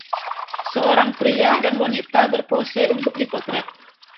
Seorang pria dan wanita berpose untuk dipotret